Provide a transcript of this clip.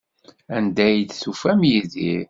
Anda ay d-tufamt Yidir?